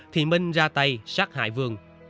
thì minh ra tay sát hại vương